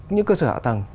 những cơ sở hạ tầng